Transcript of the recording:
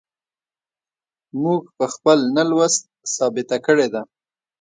موږ په خپل نه لوست ثابته کړې ده.